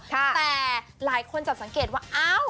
แต่หลายคนจับสังเกตว่าอ้าว